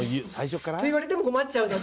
そう言われても困っちゃうので。